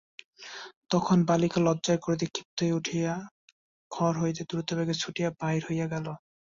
তখন বালিকা লজ্জায় ক্রোধে ক্ষিপ্ত হইয়া উঠিয়া ঘর হইতে দ্রুতবেগে ছুটিয়া বাহির হইয়া গেল।